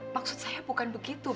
maksud saya bukan begitu